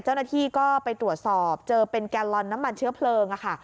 เจ้าหน้าที่ก็ไปตรวจสอบเจอเป็นแกลลอนน้ำมันเชื้อเพลิงค่ะ